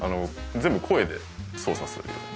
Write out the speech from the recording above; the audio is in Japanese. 全部声で操作するように。